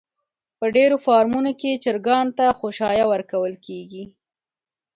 په ډېرو فارمونو کې چرگانو ته خؤشايه ورکول کېږي.